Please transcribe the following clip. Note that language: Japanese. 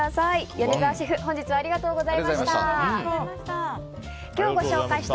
米澤シェフ本日はありがとうございました。